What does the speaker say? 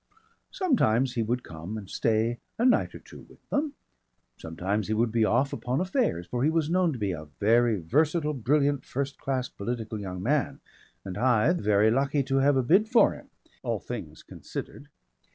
Sometimes he would come and stay a night or so with them, sometimes he would be off upon affairs, for he was known to be a very versatile, brilliant, first class political young man and Hythe very lucky to have a bid for him, all things considered.